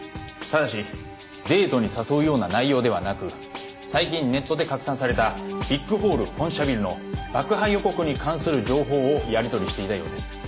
ただしデートに誘うような内容ではなく最近ネットで拡散されたビッグホール本社ビルの爆破予告に関する情報をやり取りしていたようです。